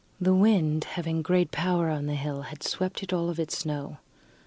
The wind, having great power on the hill, had swept it of all its snow.